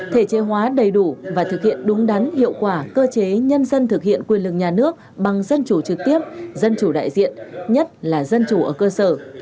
thể chế hóa đầy đủ và thực hiện đúng đắn hiệu quả cơ chế nhân dân thực hiện quyền lực nhà nước bằng dân chủ trực tiếp dân chủ đại diện nhất là dân chủ ở cơ sở